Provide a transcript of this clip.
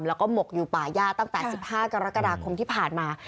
แล้วก็หมกอยู่ป่าย่าตั้งแต่๑๕กรกฎาคมที่ผ่านมา